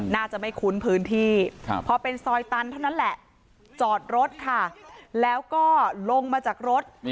น่าจะไม่คุ้นพื้นที่พอเป็นซอยตันเท่านั้นแหละจอดรถค่ะแล้วก็ลงมาจากรถ